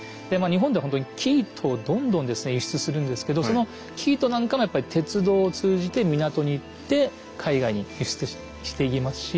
日本ではほんとに生糸をどんどん輸出するんですけどその生糸なんかもやっぱり鉄道を通じて港に行って海外に輸出していきますし。